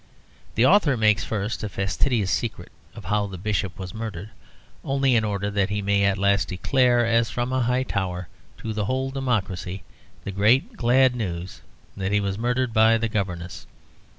The author makes first a fastidious secret of how the Bishop was murdered, only in order that he may at last declare, as from a high tower, to the whole democracy the great glad news that he was murdered by the governess.